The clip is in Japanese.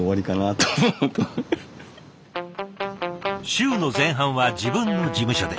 週の前半は自分の事務所で。